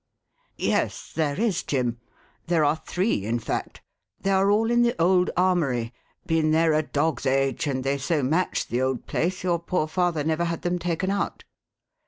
"Yes, there is, Jim. There are three in fact; they all are in the old armoury. Been there a dog's age; and they so matched the old place your poor father never had them taken out."